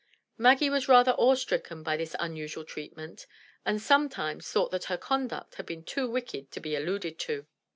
Maggie was rather awe stricken by this unusual treatment, and sometimes thought that her conduct had been too wicked to be alluded to.